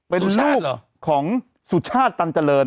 เป็นลูกของสุชาติตันเจริญ